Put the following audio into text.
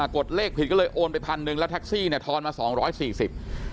กดเลขผิดก็เลยโอนไป๑๐๐๐บาทแล้วแท็กซี่ทอนมา๒๔๐บาท